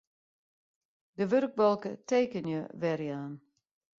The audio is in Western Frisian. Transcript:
De wurkbalke Tekenje werjaan.